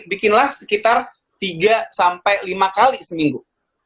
bikinlah sekitar tiga sampai lima kali seminggu